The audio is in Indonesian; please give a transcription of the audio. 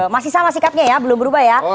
masih sama sikapnya ya belum berubah ya